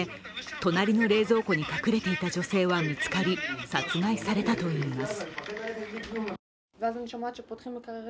隣の冷蔵庫に隠れていた女性は見つかり殺害されたといいます。